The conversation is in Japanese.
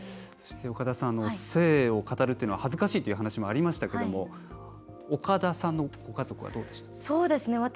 岡田さん性を語るというのは恥ずかしいという話もありましたけれども岡田さんのご家族はどうでしたか？